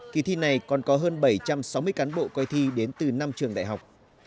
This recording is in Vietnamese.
kỳ thi này còn có hơn bảy trăm sáu mươi cán bộ coi thi đến từ năm trường đại học